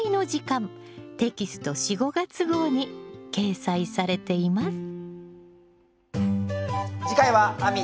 テキスト４・５月号に掲載されています。